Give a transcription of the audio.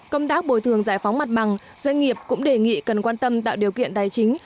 công tác bồi thường giải phóng mặt bằng doanh nghiệp cũng đề nghị cần quan tâm tạo điều kiện tài chính